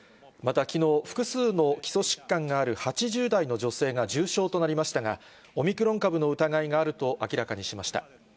またきのう、複数の基礎疾患がある８０代の女性が重症となりましたが、オミクロン株の疑いがあると明らかにしました。